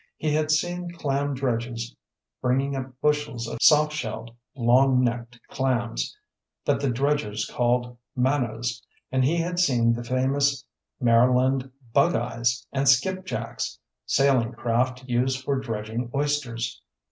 He had seen clam dredges bringing up bushels of soft shelled, long necked clams that the dredgers called "manos," and he had seen the famous Maryland "bugeyes" and "skip jacks" sailing craft used for dredging oysters.